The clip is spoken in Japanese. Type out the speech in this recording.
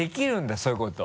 そういうことを。